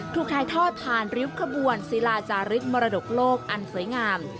ถ่ายทอดผ่านริ้วขบวนศิลาจารึกมรดกโลกอันสวยงาม